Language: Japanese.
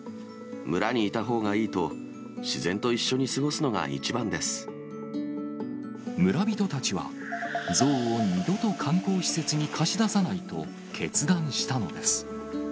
村にいたほうがいいと、村人たちは、ゾウを二度と観光施設に貸し出さないと決断したのです。